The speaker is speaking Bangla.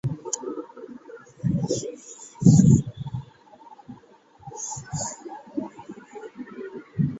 ঠিক আছে, সবাই শোনো, এটা খুনির পরবর্তী শিকার হতে পারে।